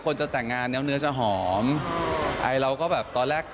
คนโบราณเขาบอกว่าแบบ